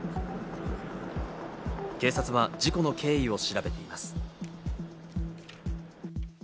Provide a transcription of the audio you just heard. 警察は事故の経緯を調べています。